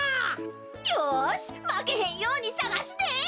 よしまけへんようにさがすで！